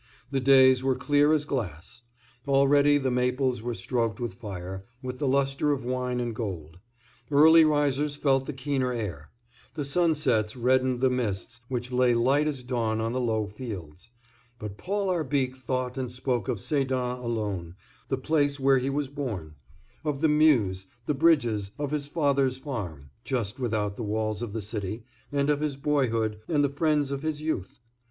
The days were clear as glass; already the maples were stroked with fire, with the lustre of wine and gold; early risers felt the keener air; the sunsets reddened the mists which lay light as lawn on the low fields. But Paul Arbique thought and spoke of Sedan alone, the place where he was born, of the Meuse, the bridges, of his father's farm, just without the walls of the city, and of his boyhood, and the friends of his youth.